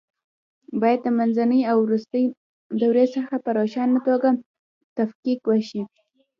باید د منځنۍ او وروستۍ دورې څخه په روښانه توګه تفکیک شي.